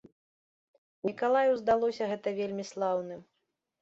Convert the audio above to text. Мікалаю здалося гэта вельмі слаўным.